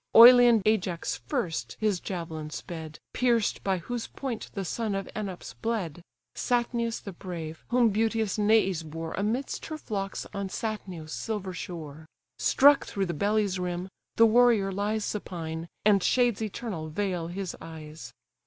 Oilean Ajax first his javelin sped, Pierced by whose point the son of Enops bled; (Satnius the brave, whom beauteous Neis bore Amidst her flocks on Satnio's silver shore;) Struck through the belly's rim, the warrior lies Supine, and shades eternal veil his eyes.